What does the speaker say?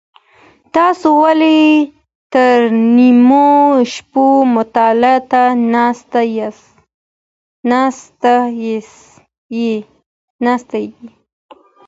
تاسو ولي تر نیمو شپو مطالعې ته ناست یئ؟